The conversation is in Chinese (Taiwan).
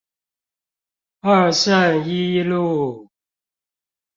二聖一路